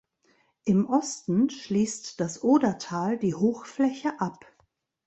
Im Osten schließt das Odertal die Hochfläche ab.